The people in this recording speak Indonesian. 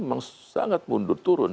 memang sangat mundur turun